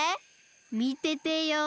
みててよ。